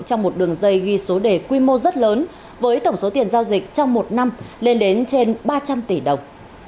trong một đường dây ghi số đề quy mô rất lớn với tổng số tiền giao dịch trong một năm lên đến trên ba trăm linh tỷ đồng